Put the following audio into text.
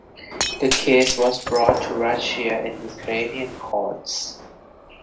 The case was brought to Russian and Ukrainian courts.